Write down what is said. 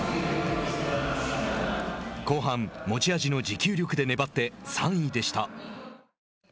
後半、持ち味の持久力で粘って３位でした。